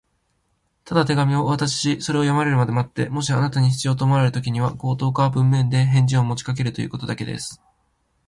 「ただ手紙をお渡しし、それを読まれるまで待って、もしあなたに必要と思われるときには、口頭か文面で返事をもちかえるということだけです」